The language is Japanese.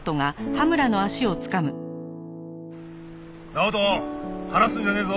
直人離すんじゃねえぞ。